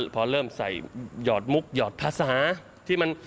พอเริ่มใส่หยอดมุกหยอดภาษา